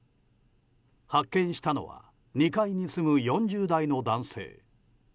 発見したのは２階に住む４０代の男性。